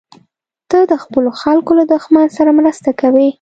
ته د خپلو خلکو له دښمن سره مرسته کوې.